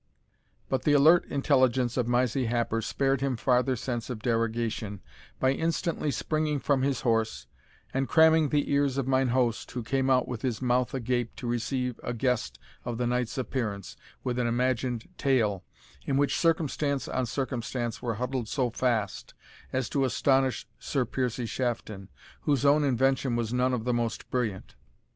But the alert intelligence of Mysie Happer spared him farther sense of derogation, by instantly springing from his horse, and cramming the ears of mine host, who came out with his mouth agape to receive a guest of the knight's appearance, with an imagined tale, in which circumstance on circumstance were huddled so fast, as to astonish Sir Piercie Shafton, whose own invention was none of the most brilliant.